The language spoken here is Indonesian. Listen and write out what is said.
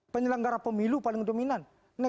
penyelenggara pemilu paling dominan